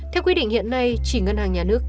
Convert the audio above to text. theo quy định hiện nay chỉ ngân hàng nhà nước